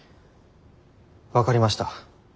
分かりました。